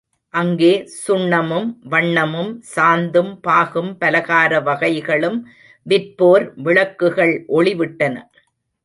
அங்கே சுண்ணமும், வண்ணமும், சாந்தும், பாகும், பலகார வகைகளும் விற்போர் விளக்குகள் ஒளி விட்டன.